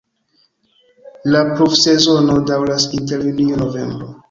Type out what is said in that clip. La pluvsezono daŭras inter junio-novembro.